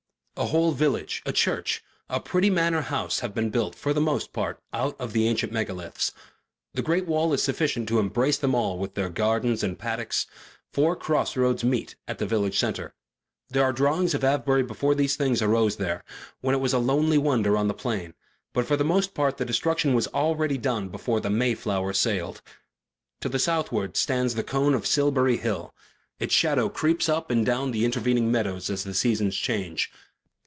A whole village, a church, a pretty manor house have been built, for the most part, out of the ancient megaliths; the great wall is sufficient to embrace them all with their gardens and paddocks; four cross roads meet at the village centre. There are drawings of Avebury before these things arose there, when it was a lonely wonder on the plain, but for the most part the destruction was already done before the MAYFLOWER sailed. To the southward stands the cone of Silbury Hill; its shadow creeps up and down the intervening meadows as the seasons change.